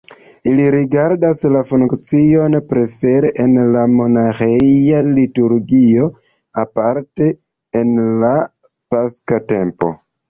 Ili rigardas la funkcion prefere en la monaĥeja liturgio, aparte en la paska tempo.